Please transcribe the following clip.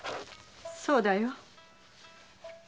そうだよ。